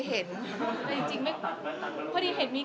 เห็นกันนะครับดูคลิป